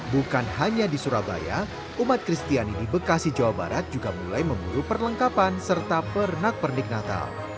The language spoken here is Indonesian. bukan hanya di surabaya umat kristiani di bekasi jawa barat juga mulai memburu perlengkapan serta pernak pernik natal